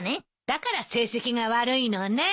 だから成績が悪いのね。